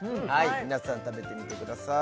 皆さん食べてみてください